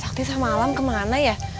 sakit sah malam kemana ya